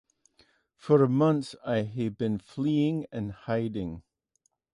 For months I have been fleeing and hiding.